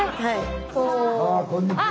あこんにちは。